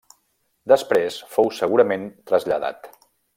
Després fou segurament traslladat.